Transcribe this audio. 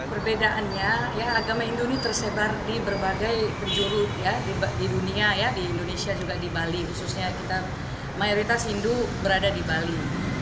perbedaannya ya agama hindu ini tersebar di berbagai penjuru ya di dunia di indonesia juga di bali khususnya kita mayoritas hindu berada di bali